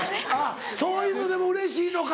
そういうのでもうれしいのか。